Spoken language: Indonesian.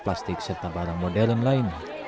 plastik serta barang modern lain